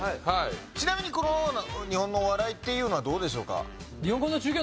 ちなみに日本のお笑いっていうのはどうでしょうか？